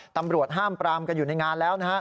ตำรวจห้ามปรามกันอยู่ในงานแล้วนะฮะ